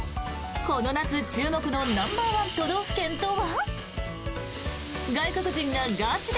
この夏、注目のナンバーワン都道府県とは？